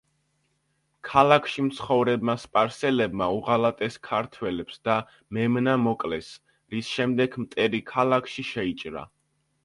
ქალაქში მცხოვრებმა სპარსელებმა უღალატეს ქართველებს და მემნა მოკლეს, რის შემდეგ მტერი ქალაქში შეიჭრა.